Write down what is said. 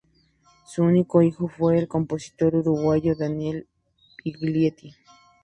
Su único hijo fue el compositor uruguayo Daniel Viglietti.